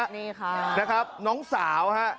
นี่ค่ะ